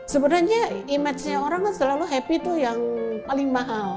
sebenarnya image orang selalu happy yang paling mahal